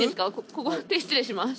ここ手失礼します。